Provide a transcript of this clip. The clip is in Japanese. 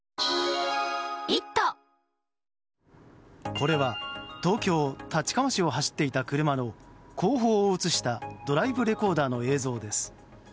これは、東京・立川市を走っていた車の後方を映したドライブレコーダーの映像です。